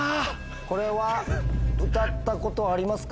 これは歌ったことありますか？